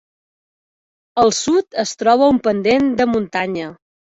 Al sud es troba un pendent de muntanya.